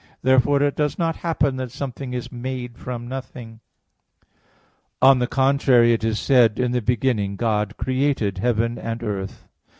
Therefore it does not happen that something is made from nothing. On the contrary, It is said (Gen. 1:1): "In the beginning God created heaven and earth."